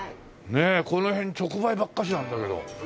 ねえこの辺直売ばっかしなんだけど。